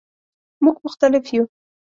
مونږ مختلف یو